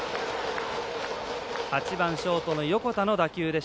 ８番、ショートの横田の打球。